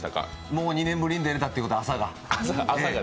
もう２年ぶりに出れたということで、朝が。